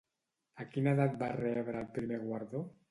A quina edat va rebre el primer guardó?